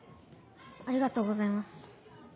ありがとうございます。